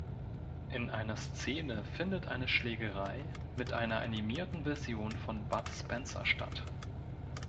In einer Szene findet eine Schlägerei mit einer animierten Version von Bud Spencer statt.